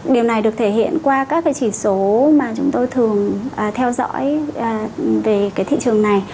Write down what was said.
điều này được thể hiện qua các chỉ số mà chúng tôi thường theo dõi về thị trường này